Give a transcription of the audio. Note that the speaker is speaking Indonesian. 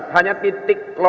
hanya titik lokasi yang tidak ada